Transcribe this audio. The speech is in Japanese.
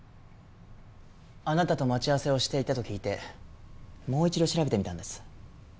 あなたと待ち合わせをしていたと聞いてもう一度調べてみたんです。